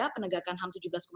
penegakan ham tujuh belas delapan